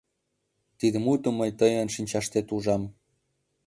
Тиде мутым мый тыйын шинчаштет ужам.